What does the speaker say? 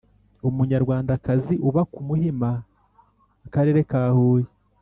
Umunyarwandakazi uba ku Muhima Akarere ka huye